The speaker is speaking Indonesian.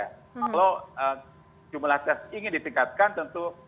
kalau jumlah tes ingin ditingkatkan tentu